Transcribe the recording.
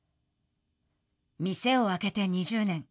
店を開けて２０年。